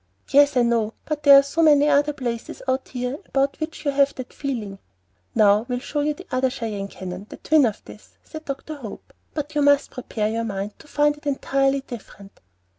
"Yes, I know; but there are so many other places out here about which you have that feeling." "Now we will show you the other Cheyenne Canyon, the twin of this," said Dr. Hope; "but you must prepare your mind to find it entirely different."